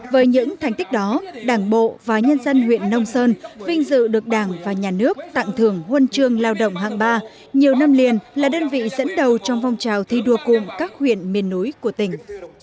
với những thành tích đó đảng bộ và nhân dân huyện nông sơn vinh dự được đảng và nhà nước tặng thưởng huân chương lao động hạng ba nhiều năm liền là đơn vị dẫn đầu trong phong trào thi đua cụm các huyện miền núi của tỉnh